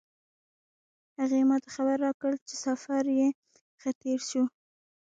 هغې ما ته خبر راکړ چې سفر یې ښه تیر شو